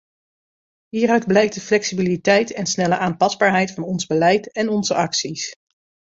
Hieruit blijkt de flexibiliteit en snelle aanpasbaarheid van ons beleid en onze acties.